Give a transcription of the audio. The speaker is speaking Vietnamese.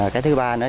cái thứ ba nữa